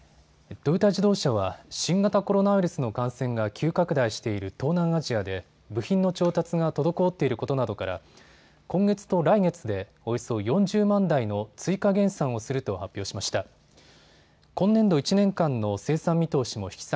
トヨタ自動車は新型コロナウイルスの感染が急拡大している東南アジアで部品の調達が滞っていることなどから今月と来月でおよそ４０万台の追加減産をすると発表しました。